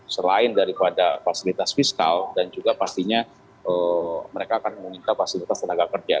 selain daripada fasilitas fiskal dan juga pastinya mereka akan meminta fasilitas tenaga kerja